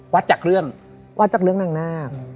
จากเรื่องวัดจากเรื่องนางนาค